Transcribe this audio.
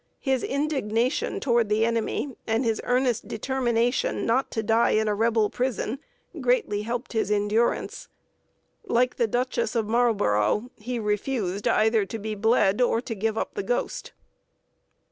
His indignation toward the enemy, and his earnest determination not to die in a Rebel prison, greatly helped his endurance. Like the Duchess of Marlboro', he refused either to be bled or to give up the ghost.